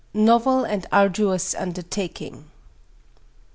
NOVEL AND ARDUOUS UNDERTAKING.